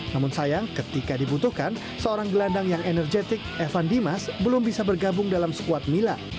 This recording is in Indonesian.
namun sayang ketika dibutuhkan seorang gelandang yang energetik evan dimas belum bisa bergabung dalam skuad mila